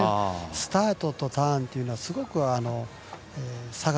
スタートとターンというのはすごく差が